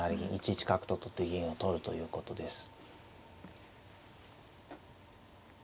１一角と取って銀を取るということです。